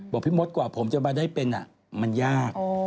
บอกพี่มศกว่าผมจะมาได้เป็นอ่ะมันยาก